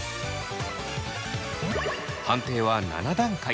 判定は７段階。